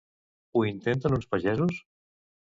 Ho intenten uns pagesos?